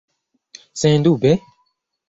Sendube?